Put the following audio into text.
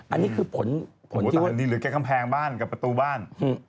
อันนี้คือผลที่ว่าโอ้โหแต่อันนี้เหลือแค่คำแพงบ้านกับประตูบ้าน